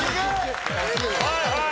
はいはい。